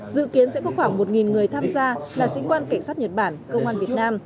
dự kiến sẽ có khoảng một người tham gia là sĩ quan cảnh sát nhật bản công an việt nam